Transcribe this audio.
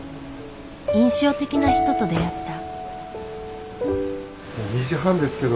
印象的な人と出会った。